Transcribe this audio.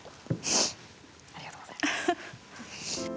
ありがとうございます。